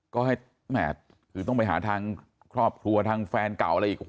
ก็ต้องไปหาทางครอบครัวทางแฟนเก่าอะไรอีก